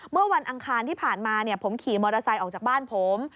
เมื่อวันอังคารที่ผ่านมาผมขี่มอเตอร์ไซค์ออกจากบ้านผม